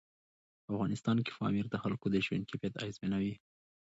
په افغانستان کې پامیر د خلکو د ژوند کیفیت اغېزمنوي.